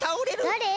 だれ？